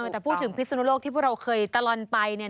แต่พูดถึงพิศนุโลกที่พวกเราเคยตลอดไป